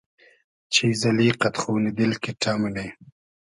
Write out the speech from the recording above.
چیز اللی قئد خونی دیل کیݖݖۂ مونی